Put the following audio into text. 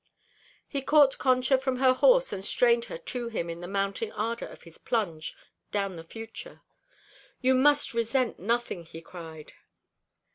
He caught Concha from her horse and strained her to him in the mounting ardor of his plunge down the future. "You must resent nothing!" he cried.